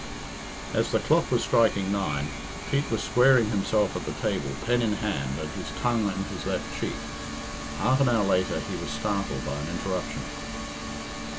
As the clock was striking nine, Pete was squaring himself at the table, pen in hand, and his tongue in his left cheek. Half an hour later he was startled, by an interruption.